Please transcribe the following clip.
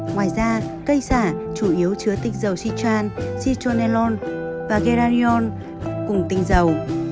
ngoài ra cây xả chủ yếu chứa tinh dầu citron citronellon và geranium cùng tinh dầu